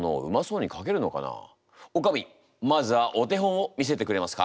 おかみまずはお手本を見せてくれますか？